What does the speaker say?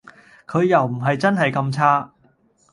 佢又唔係真係咁差